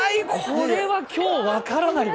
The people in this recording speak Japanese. これは今日分からないわ。